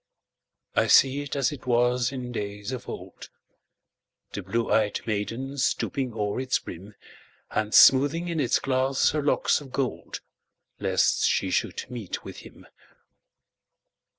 I see it as it was in days of old, The blue ey'd maiden stooping o'er its brim, And smoothing in its glass her locks of gold, Lest she should meet with him.